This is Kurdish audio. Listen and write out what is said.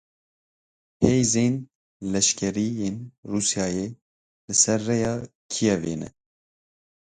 Hêzên leşkerî yên Rûsyayê li ser rêya Kievê ne.